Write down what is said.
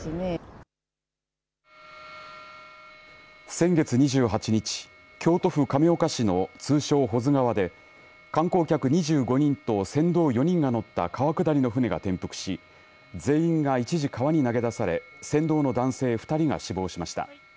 先月２８日京都府亀岡市の通称保津川で観光客２５人と船頭４人が乗った川下りの舟が転覆し全員が一時、川に投げ出され船頭の男性２人が死亡しました。